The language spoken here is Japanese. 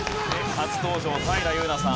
初登場平祐奈さん